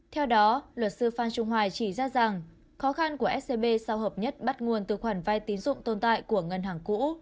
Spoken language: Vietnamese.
theo đó luật sư phan trung hoài chỉ ra rằng khó khăn của scb sau hợp nhất bắt nguồn từ khoản vai tín dụng tồn tại của ngân hàng cũ